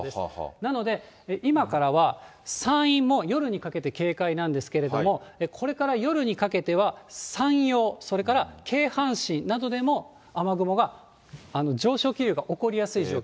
なので、今からは山陰も夜にかけて警戒なんですけれども、これから夜にかけては、山陽、それから京阪神などでも、雨雲が、上昇気流が起こりやすい状況。